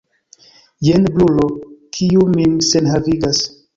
Jen brulo, kiu min senhavigas.